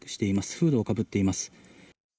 フードをかぶっています。